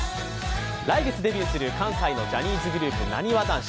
来月デビューする関西のジャニーズグループ、なにわ男子。